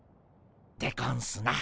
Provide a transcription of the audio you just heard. でゴンスな。